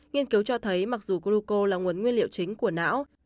nghiên cứu cho thấy mặc dù grico là nguồn nguyên liệu chính của não